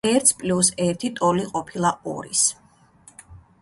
ერთს პლიუს ერთი ტოლი ყოფილა ორის.